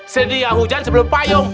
sedia hujan sebelum payung